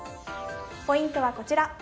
ポイントはこちら。